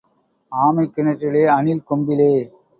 ஆமை கிணற்றிலே, அணில் கொம்பிலே.